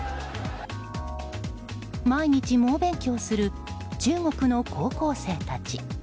毎日、猛勉強する中国の高校生たち。